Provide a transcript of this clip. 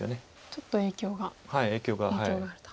ちょっと影響があると。